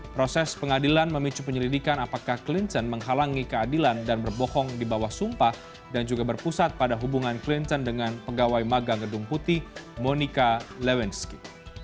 proses pengadilan memicu penyelidikan apakah clinton menghalangi keadilan dan berbohong di bawah sumpah dan juga berpusat pada hubungan clinton dengan pegawai magang gedung putih monica lewinski